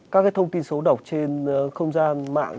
các thông tin xấu độc trên không gian mạng